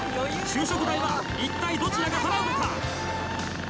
昼食代は一体どちらが払うのか？